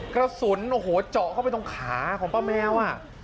กระสุนโอ้โหเจาะเข้าไปตรงขาของป้าแมว